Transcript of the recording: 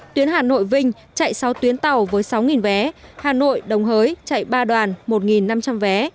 tuyến hà nội vinh chạy sáu tuyến tàu với sáu vé hà nội đồng hới chạy ba đoàn một năm trăm linh vé